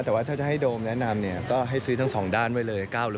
แต่ว่าถ้าจะให้โดมแนะนำเนี่ยก็ให้ซื้อทั้ง๒ด้านไว้เลย